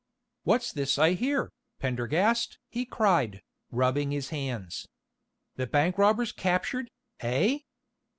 "What's this I hear, Pendergast?" he cried, rubbing his hands. "The bank robbers captured, eh?